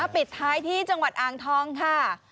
ปิดท้ายที่จังหวัดอ่างทองค่ะ